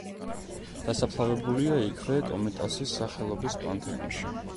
დასაფლავებულია იქვე, კომიტასის სახელობის პანთეონში.